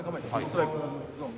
ストライクゾーン。